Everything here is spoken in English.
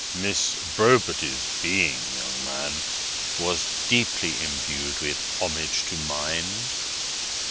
"Miss Brobity's Being, young man, was deeply imbued with homage to Mind.